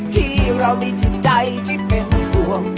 ที่เรามีทุกใจที่เป็นภวง